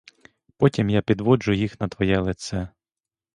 Потім я підводжу їх на твоє лице.